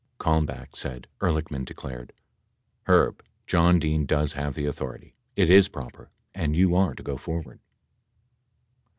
88 Kalmbach said Ehrlichman declared, "Herb, John Dean does have the authority, it is proper, and you are to go forward."